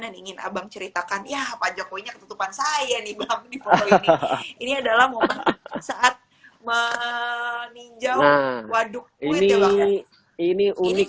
dan ingin abang ceritakan ya apa jokowi ketutupan saya ini adalah saat meninjau waduk ini ini unik